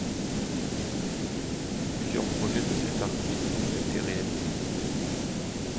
Plusieurs projets de cet artiste n'ont pas été réalisés.